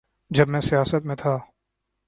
جب میں سیاست میں تھا۔